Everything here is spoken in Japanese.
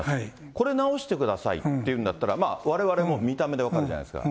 これ直してくださいっていうんだったら、われわれも見た目で分かるじゃないですか。